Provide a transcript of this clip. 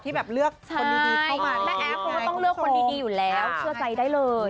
ที่แหละเลือกคนดีเข้ามา